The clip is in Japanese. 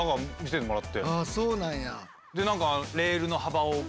そうなんや。